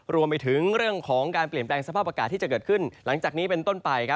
รวมไปจากความเปลี่ยนแปลงสภาพประกาศที่จะเกิดขึ้นต้นไป